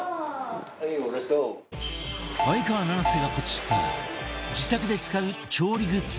相川七瀬がポチった自宅で使う調理グッズ